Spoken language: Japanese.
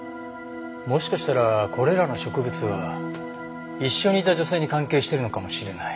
もしかしたらこれらの植物は一緒にいた女性に関係してるのかもしれない。